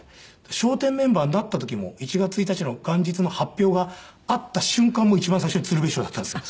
『笑点』メンバーになった時も１月１日の元日の発表があった瞬間も一番最初鶴瓶師匠だったんですよ。